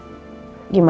aku cuma ngerasa